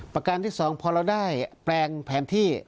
ประการที่๒พอเราได้แปลงแผนที่